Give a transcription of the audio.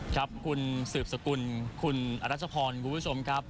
ครับคุณสืบสกุลคุณอรัชพรคุณผู้ชมครับ